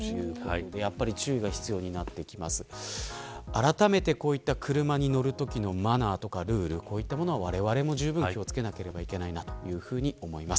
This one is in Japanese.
あらためてこういった車に乗るときのマナーとかルールわれわれもじゅうぶん気を付けなくてはいけないと思います。